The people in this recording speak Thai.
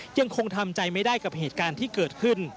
ยังคงทำใจไม่ได้กับเหตุการณ์ที่เกิดขึ้น